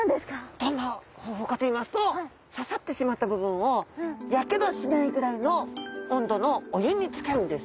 どんな方法かといいますと刺さってしまった部分をやけどしないぐらいの温度のお湯につけるんです。